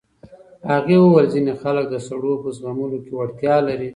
هغې وویل ځینې خلک د سړو په زغملو کې وړتیا لري.